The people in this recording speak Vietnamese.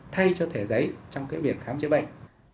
thay cho thẻ giấy trong việc khám chữa bệnh